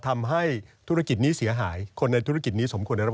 มากเลยครับ